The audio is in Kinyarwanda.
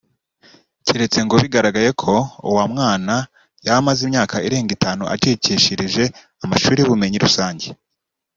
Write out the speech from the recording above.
keretse ngo bigaragaye ko uwa mwana yaba amaze imyaka irenga itanu acikishirije amashuri y’ubumenyi rusange